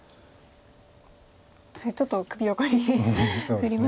確かにちょっと首を横に振りましたね。